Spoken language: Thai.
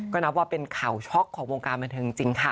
ก็นับว่าเป็นข่าวช็อกของวงการบันเทิงจริงค่ะ